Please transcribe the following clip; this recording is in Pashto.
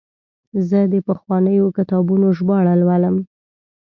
زه د پخوانیو کتابونو ژباړه لولم.